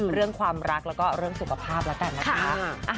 เรื่องความรักแล้วก็เรื่องสุขภาพแล้วกันนะคะ